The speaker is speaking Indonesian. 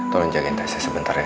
tolong jagain tasnya sebentar ya